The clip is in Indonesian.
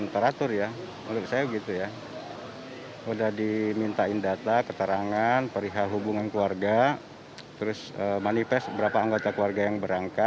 terima kasih pak